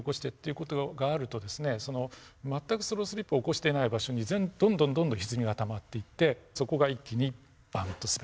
全くスロースリップを起こしていない場所にどんどんどんどんひずみがたまっていってそこが一気にバンと滑る。